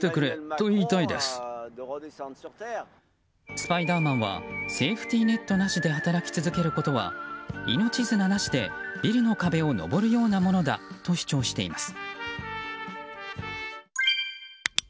スパイダーマンはセーフティーネットなしで働き続けることは、命綱なしでビルの壁を登るようなものだと主張しています。